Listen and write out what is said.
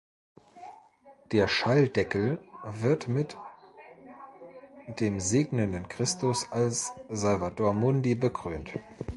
Der Schalldeckel wird mit dem segnenden Christus als Salvator mundi bekrönt.